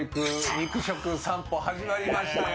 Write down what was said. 肉食さんぽ始まりましたよ。